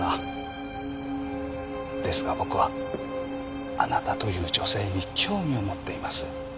ですが僕はあなたという女性に興味を持っています。